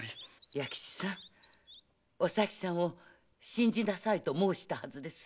弥吉さんお咲さんを信じなさいと申したはずですよ。